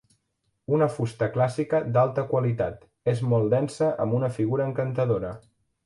Una fusta clàssica d'alta qualitat, és molt densa amb una figura encantadora.